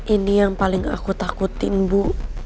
ini yang paling aku takutin bu